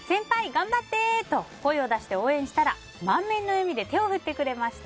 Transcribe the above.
頑張って！と声を出して応援したら満面の笑みで手を振ってくれました。